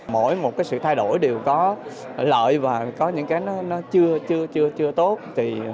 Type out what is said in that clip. mỗi một cái sự thay đổi đều có lợi và có những cái nó chưa tốt